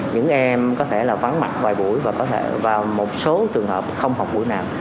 những em có thể là vắng mặt vài buổi và có thể vào một số trường hợp không học buổi nào